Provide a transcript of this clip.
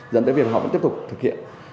dẫn tới việc họ vẫn tiếp tục thực hiện